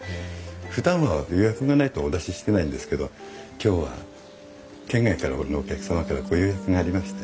ふだんは予約がないとお出ししてないんですけど今日は県外からのお客様からご予約がありまして。